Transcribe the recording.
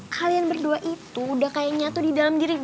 kalian berdua itu udah kayaknya tuh di dalam diri gue